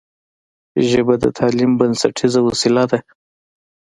ژبه د تعلیم بنسټیزه وسیله ده